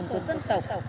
sự sinh tồn của dân tộc